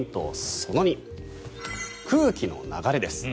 その２空気の流れです。